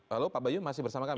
lalu pak bayu masih bersama kami